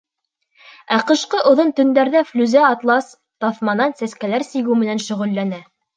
Ә ҡышҡы оҙон төндәрҙә Флүзә атлас таҫманан сәскәләр сигеү менән шөғөлләнә.